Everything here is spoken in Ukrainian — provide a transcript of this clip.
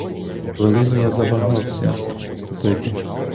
Хвилину я завагався вступити.